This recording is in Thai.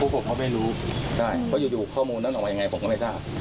ผมก็ไม่รู้ได้เพราะอยู่ข้อมูลนั้นออกมายังไงผมก็ไม่ทราบ